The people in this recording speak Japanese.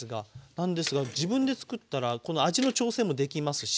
なんですが自分でつくったらこの味の調整もできますし。